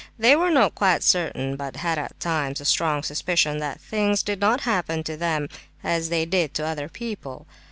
They were not quite certain, but had at times a strong suspicion that things did not happen to them as they did to other people.